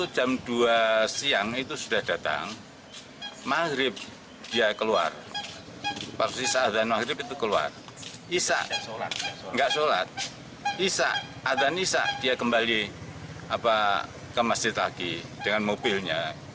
jadi apa kemas ditagi dengan mobilnya